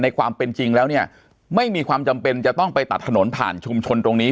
ความเป็นจริงแล้วเนี่ยไม่มีความจำเป็นจะต้องไปตัดถนนผ่านชุมชนตรงนี้